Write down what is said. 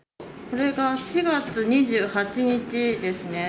これが４月２８日ですね。